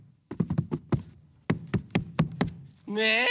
ねえ！